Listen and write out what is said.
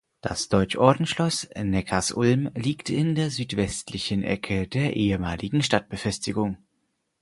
Das Deutschordensschloss Neckarsulm liegt in der südwestlichen Ecke der ehemaligen Stadtbefestigung.